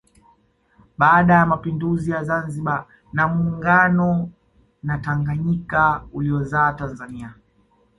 Baada ya mapinduzi ya Zanzibar na muungano na Tanganyika uliozaa Tanzania